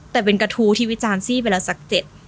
แต่เป็นกระทู้ที่วิจารณ์ซี่ไปแล้วสักเจ็ด